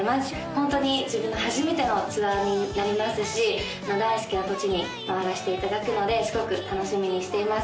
ホントに自分の初めてのツアーになりますし大好きな土地に回らしていただくのですごく楽しみにしています